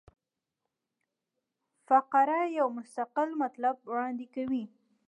فقره یو مستقل مطلب وړاندي کوي.